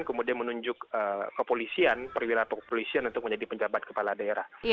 kemudian menunjuk kepolisian perwira kepolisian untuk menjadi penjabat kepala daerah